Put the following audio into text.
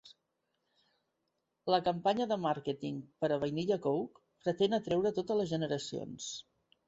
La campanya de màrqueting per a Vanilla Coke pretén atreure totes les generacions